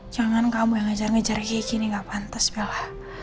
jangan kamu yang ngejar ngejar kayak gini gak pantas bella